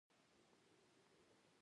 مک ارتر د ونټ ورت د ملګرو مخالف و.